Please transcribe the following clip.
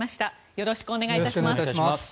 よろしくお願いします。